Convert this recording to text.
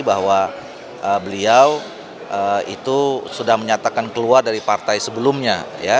bahwa beliau itu sudah menyatakan keluar dari partai sebelumnya